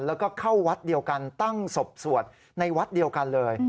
แล้วก็เข้าวัดเดียวกันตั้งศพสวดในวัดเดียวกันเลย